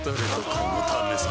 このためさ